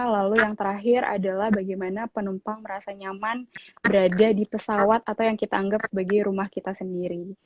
lalu yang terakhir adalah bagaimana penumpang merasa nyaman berada di pesawat atau yang kita anggap sebagai rumah kita sendiri